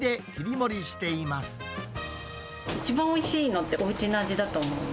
一番おいしいのって、おうちの味だと思うんで。